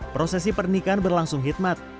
prosesi pernikahan berlangsung hitmat